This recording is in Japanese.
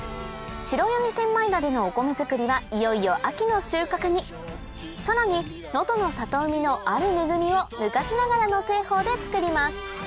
白米千枚田でのお米づくりはいよいよ秋の収穫にさらに能登の里海のある恵みを昔ながらの製法でつくります